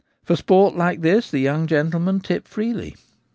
For sport like this the young gentlemen tip freely.